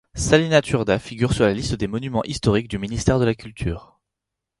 Salina Turda figure sur la liste des monuments historiques du Ministère de la Culture.